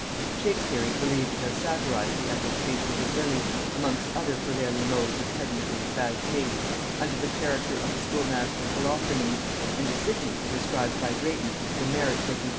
] Shakespeare is believed to have satirized the affectations of Lilly, amongst other prevailing modes of pedantry and bad taste, under the character of the schoolmaster Holophernes; and to Sidney is ascribed by Drayton the merit, that he